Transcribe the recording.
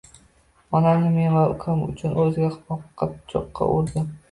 Onamning men va ukam uchun o‘zini o‘qqa-cho‘qqa urdi.